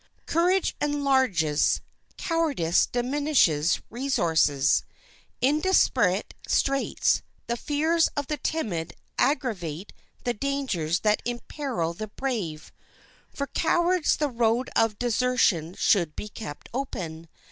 Courage enlarges, cowardice diminishes resources. In desperate straits the fears of the timid aggravate the dangers that imperil the brave. For cowards the road of desertion should be kept open.